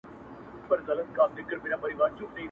زه پسونه غواوي نه سمه زغملای -